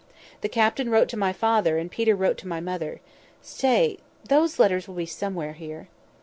The captain wrote to my father, and Peter wrote to my mother. Stay! those letters will be somewhere here."